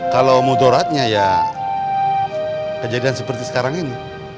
kalau mudaratnya ya kejadian seperti sekarang ini